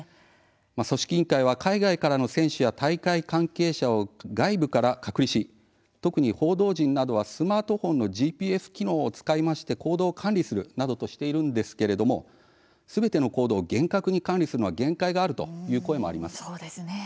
組織委員会は海外からの選手や大会関係者を外部から隔離し特に報道陣などはスマートフォンのＧＰＳ機能を使って行動を管理するとしているんですけれどもすべての行動を厳格に管理するのは限界があるという声もあります。